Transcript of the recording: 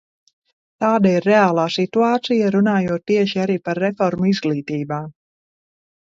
Tāda ir reālā situācija, runājot tieši arī par reformu izglītībā.